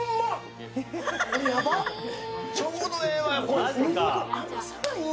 ちょうどええわ。